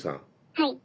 はい。